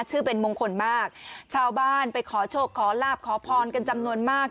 เป็นมงคลมากชาวบ้านไปขอโชคขอลาบขอพรกันจำนวนมาก